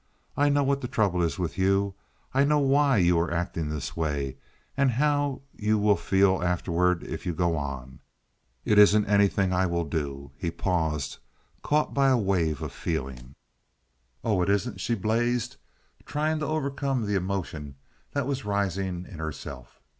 I know what the trouble is with you. I know why you are acting this way, and how you will feel afterward if you go on. It isn't anything I will do—" He paused, caught by a wave of feeling. "Oh, isn't it?" she blazed, trying to overcome the emotion that was rising in herself.